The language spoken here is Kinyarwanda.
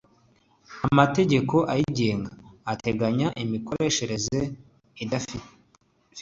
amategeko ayigenga ateganya imikoreshereze idafifitse